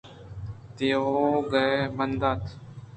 تیوگ ءَ بندات